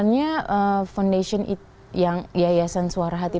ohh iya ini karena ada yayasan suara hati